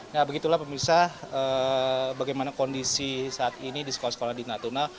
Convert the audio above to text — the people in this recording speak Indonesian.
nah begitulah pemirsa bagaimana kondisi saat ini di sekolah sekolah di natuna